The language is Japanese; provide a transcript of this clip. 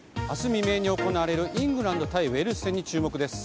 未明に行われるイングランド対ウェールズ戦に注目です。